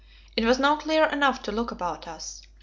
It was now clear enough to look about us.